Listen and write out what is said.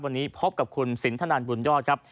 วันนี้พบกับคุณสินทนันบุญยอดครับ